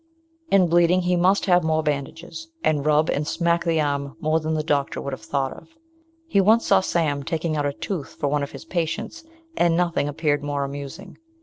In bleeding, he must have more bandages, and rub and smack the arm more than the doctor would have thought of. We once saw Sam taking out a tooth for one of his patients, and nothing appeared more amusing.